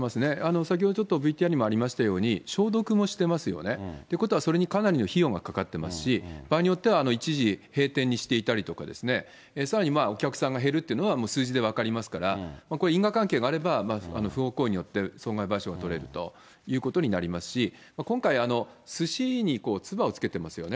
先ほどちょっとＶＴＲにもありましたように、消毒もしてますよね。ということはそれにかなりの費用がかかってますし、場合によっては一時閉店にしていたりとかですね、さらにお客さんが減るというのは数字で分かりますから、これ、因果関係があれば、不法行為によって損害賠償が取れるということになりますし、今回、すしにつばをつけてますよね。